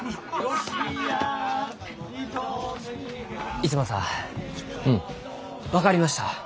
逸馬さん分かりました。